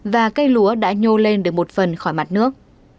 và cây lúa đã nhô lên được một phần khỏi mặt nước